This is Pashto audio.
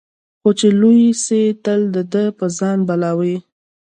خو چي لوی سي تل د ده په ځان بلاوي